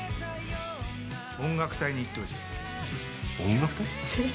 音楽隊に行ってほしい。